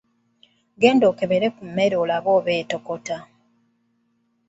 Genda okebere ku mmere olabe oba etokota.